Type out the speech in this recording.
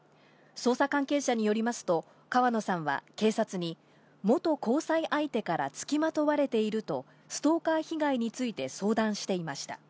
捜査関係者によりますと、川野さんは警察に元交際相手からつきまとわれていると、ストーカー被害について相談していました。